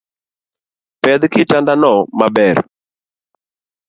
Pedh kitanda no maber